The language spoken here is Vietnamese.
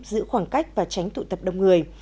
giữ khoảng cách và tránh tụ tập đông người